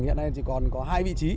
hiện nay chỉ còn có hai vị trí